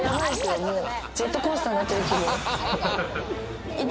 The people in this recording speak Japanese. ジェットコースターに乗ってる気分。